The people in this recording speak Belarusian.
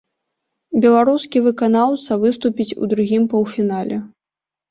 Беларускі выканаўца выступіць у другім паўфінале.